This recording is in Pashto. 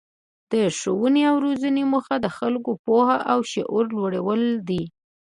د ښوونې او روزنې موخه د خلکو پوهه او شعور لوړول دي.